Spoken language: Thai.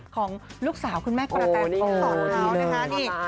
ของลูกสาวคุณแม่กระแทนตอนแล้วนะคะ